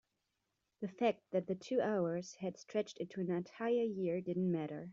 the fact that the two hours had stretched into an entire year didn't matter.